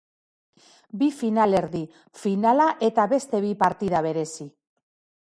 Bi finalerdi, finala eta beste bi partida berezi.